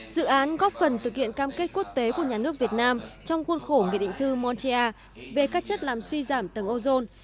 dự án góp phần thực hiện cam kết quốc tế của nhà nước việt nam trong khuôn khổ nghị định thư montia về các chất làm suy giảm tầng ozone